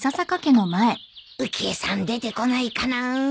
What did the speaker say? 浮江さん出てこないかな